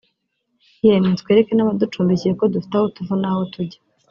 yemwe twereke n’abaducumbikiye ko dufite aho tuva n’aho tujya